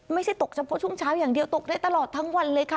ไม่ใช่ตกเฉพาะช่วงเช้าอย่างเดียวตกได้ตลอดทั้งวันเลยค่ะ